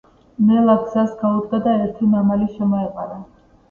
მელა გზას გაუდგა და ერთი მამალი შემოეყარა.